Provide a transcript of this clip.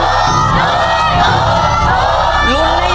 ตัวเลือกที่๔